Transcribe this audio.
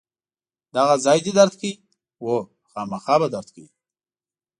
دغه ځای دې درد کوي؟ هو، خامخا به درد کوي.